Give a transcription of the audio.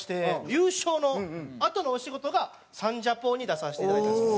優勝のあとのお仕事が『サンジャポ』に出させていただいたんですよ。